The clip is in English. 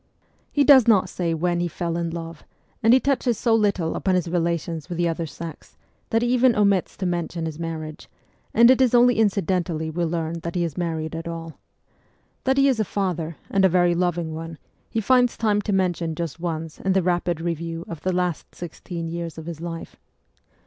He does not say when he fell in love, and he touches so little upon his relations with the other sex, that he even omits to mention his marriage, and it is only incidentally we learn that he is married at all. That he is a father, and a very loving one, he finds time to mention just once in the rapid review of the last sixteen years of his life.